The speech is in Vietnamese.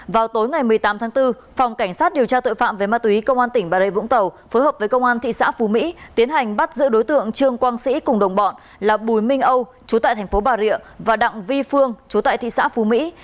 vào tối ngày một mươi tám tháng bốn phòng cảnh sát điều tra tội phạm về ma túy công an tỉnh bà rê vũng tàu phối hợp với công an thị xã phú mỹ tiến hành bắt giữ đối tượng trương quang sĩ cùng đồng bọn là bùi minh âu chú tại thành phố bà rịa và đặng vi phương chú tại thị xã phú mỹ